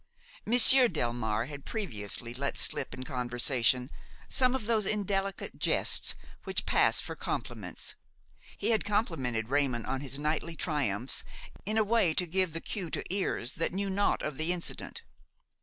Monsieur Delmare had previously let slip in conversation some of those indelicate jests which pass for compliments. He had complimented Raymon on his knightly triumphs in a way to give the cue to ears that knew naught of the incident.